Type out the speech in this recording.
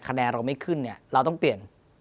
คะแนนเราไม่ขึ้นเนี่ยเราต้องเปลี่ยน